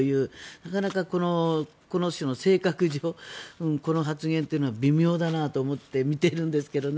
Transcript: なかなかこの人の性格上この発言というのは微妙だなと思って見ているんですけどね。